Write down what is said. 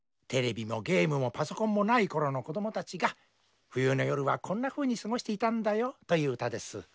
テレビもゲームもパソコンもないころの子供たちが冬の夜はこんなふうにすごしていたんだよという歌です。